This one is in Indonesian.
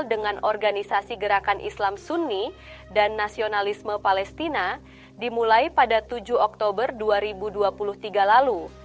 dengan organisasi gerakan islam sunni dan nasionalisme palestina dimulai pada tujuh oktober dua ribu dua puluh tiga lalu